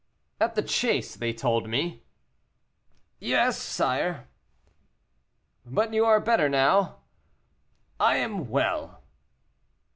"At the chase, they told me." "Yes sire." "But you are better now?" "I am well."